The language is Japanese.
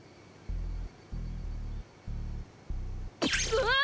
うわ！